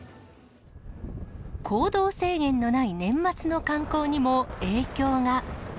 行動制限のない年末の観光にも影響が。